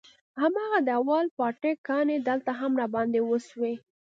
هماغه د اول پاټک کانې دلته هم راباندې وسوې.